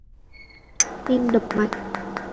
tim đập mạnh